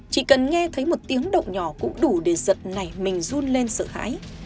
chỉ cần nghe thấy một tiếng động nhỏ cũng đủ để giật nảy mình run lên sợ hãi